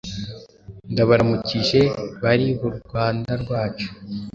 Ndabaramukije bari b’u Rwanda rwacu